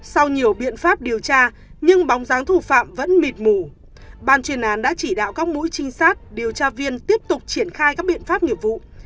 sau nhiều biện pháp điều tra nhưng bóng dáng thủ phạm vẫn mịt mù ban chuyên án đã chỉ đạo các mũi trinh sát điều tra viên tiếp tục triển khai các biện pháp nghiệp vụ